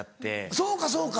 そうかそうか。